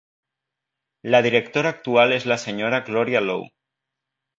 La directora actual és la Sra. Gloria Lowe.